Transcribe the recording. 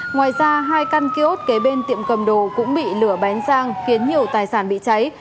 ngoài ra hai căn kiosk kế bên tiệm cầm đồ cũng bị lửa bén sang khiến nhiều tài sản bị cháy